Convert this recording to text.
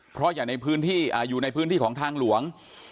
เพราะอยู่ในพื้นที่ของทางหลวง